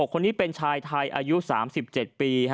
คนนี้เป็นชายไทยอายุ๓๗ปี